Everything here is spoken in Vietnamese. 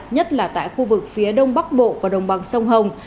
nhất là tại khu vực phía đông bắc bộ và đồng bằng sông hồng